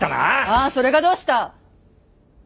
ああそれがどうした！